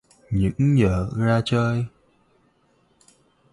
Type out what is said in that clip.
Những giờ ra chơi